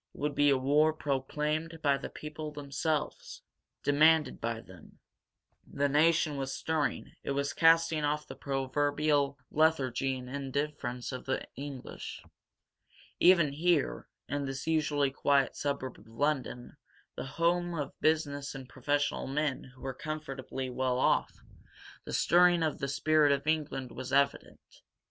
It would be a war proclaimed by the people themselves, demanded by them. The nation was stirring; it was casting off the proverbial lethargy and indifference of the English. Even here, in this usually quiet suburb of London, the home of business and professional men who were comfortably well off, the stirring of the spirit of England was evident.